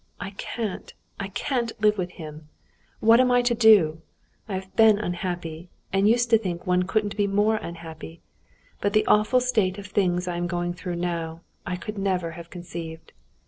I can't, I can't live with him. What am I to do? I have been unhappy, and used to think one couldn't be more unhappy, but the awful state of things I am going through now, I could never have conceived.